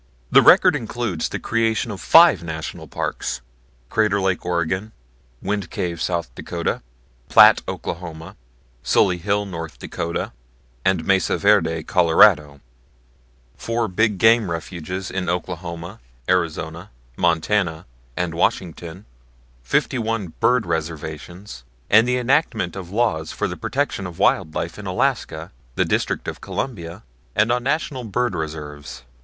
The record includes the creation of five National Parks Crater Lake, Oregon; Wind Cave, South Dakota; Platt, Oklahoma; Sully Hill, North Dakota, and Mesa Verde, Colorado; four big game refuges in Oklahoma, Arizona, Montana, and Washington; fifty one bird reservations; and the enactment of laws for the protection of wild life in Alaska, the District of Columbia, and on National bird reserves.